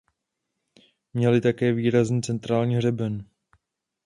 Měly také výrazný centrální hřeben.